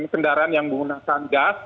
kendaraan yang menggunakan gas